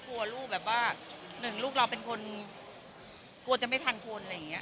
กลัวลูกแบบว่าหนึ่งลูกเราเป็นคนกลัวจะไม่ทันคนอะไรอย่างนี้